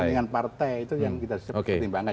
kepentingan partai itu yang kita pertimbangkan